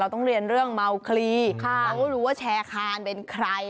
ต้องเรียนเรื่องเมาคลีเราก็รู้ว่าแชร์คานเป็นใคร